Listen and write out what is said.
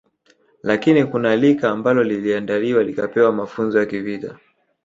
Lakini kuna lika ambalo liliandaliwa likapewa mafunzo ya kivita